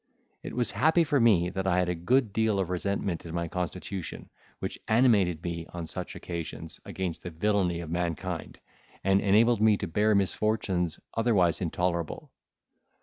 It was happy for me that I had a good deal of resentment in my constitution, which animated me on such occasions against the villainy of mankind, and enabled me to bear misfortunes, otherwise intolerable.